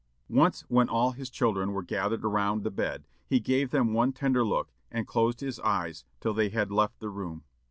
Once when all his children were gathered around the bed, he gave them one tender look, and closed his eyes till they had left the room.